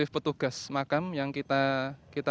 petugas makam yang kita